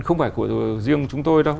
không phải riêng chúng tôi đâu